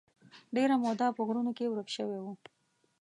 ډېره موده په غرونو کې ورک شوی و.